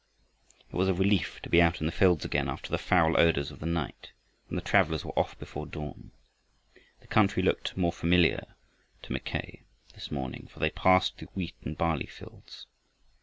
It was a relief to be out in the fields again after the foul odors of the night, and the travelers were off before dawn. The country looked more familiar to Mackay this morning, for they passed through wheat and barley fields.